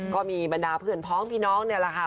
ก็มีบรรดาเพื่อนพ้องพี่น้องนี่แหละค่ะ